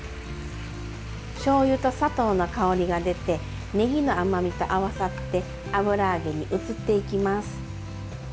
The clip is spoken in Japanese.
しょうゆと砂糖の香りが出てねぎの甘みと合わさって油揚げに移っていきます。